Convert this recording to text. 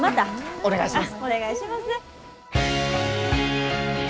お願いします。